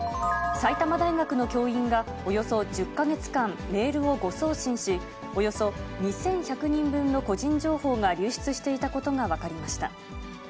埼玉大学の教員が、およそ１０か月間、メールを誤送信し、およそ２１００人分の個人情報が流出していたことが分かりました。